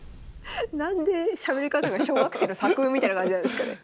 何でしゃべり方が小学生の作文みたいな感じなんですかね。